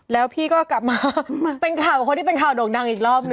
แล้วพี่ก็กลับมาเป็นข่าวกับคนที่เป็นข่าวโด่งดังอีกรอบนึ